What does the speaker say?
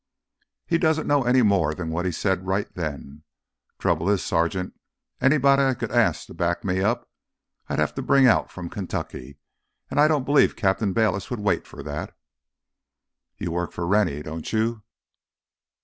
"He doesn't know any more than what he said right then. Trouble is, Sergeant, anybody I could ask to back me up I'd have to bring out from Kentucky—and I don't believe Captain Bayliss would wait for that." "You work for Rennie, don't you?"